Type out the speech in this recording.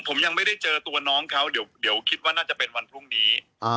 ผมยังไม่ได้เจอตัวน้องเขาเดี๋ยวคิดว่าน่าจะเป็นวันพรุ่งนี้